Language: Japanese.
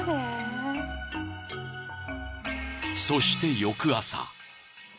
［そして翌朝］